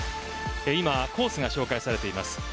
今コースが紹介されています。